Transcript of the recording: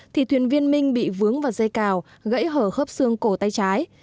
thì thuyền viên minh bị vướng vào dây cào gãy hở khớp xương cổ tay trái